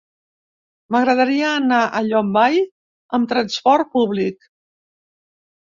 M'agradaria anar a Llombai amb transport públic.